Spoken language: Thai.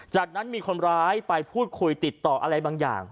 จากนั้นมีคนร้ายไปพูดคุยติดต่ออะไรบางอย่าง